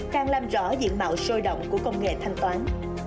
càng làm rõ diện mạo sôi động của công nghệ thanh toán